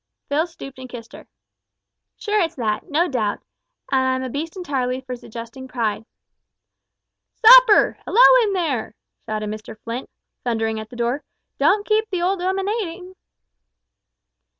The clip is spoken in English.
Phil stooped and kissed her. "Sure it's that, no doubt, and I'm a beast entirely for suggesting pride." "Supper! Hallo in there," shouted Mr Flint, thundering at the door; "don't keep the old 'ooman waiting!"